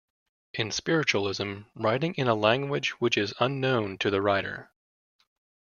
In Spiritualism, writing in a language which is unknown to the writer.